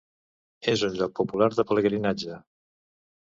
És un lloc popular de pelegrinatge.